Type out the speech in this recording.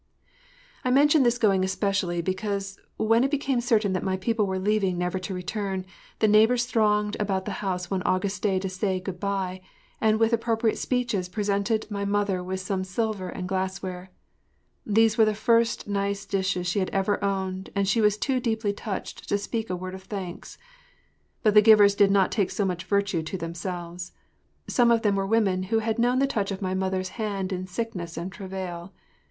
I mention this going especially because, when it became certain that my people were leaving never to return, the neighbors thronged about the house one August day to say good by, and with appropriate speeches presented mother with some silver and glassware. These were the first nice dishes she had ever owned and she was too deeply touched to speak a word of thanks. But the givers did not take so much virtue to themselves. Some of them were women who had known the touch of my mother’s hand in sickness and travail.